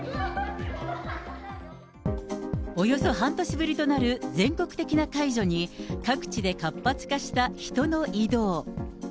およそ半年ぶりとなる全国的な解除に、各地で活発化した人の移動。